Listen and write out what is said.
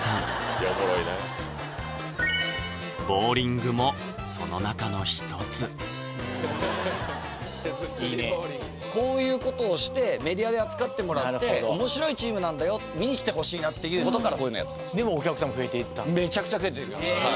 いやおもろいなボウリングもその中の一つこういうことをしてメディアで扱ってもらって面白いチームなんだよ観に来てほしいなっていうことからこういうのやってたお客さん増えていった？